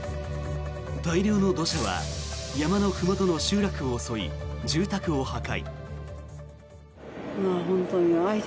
大量の土砂は山のふもとの集落を襲い住宅を破壊。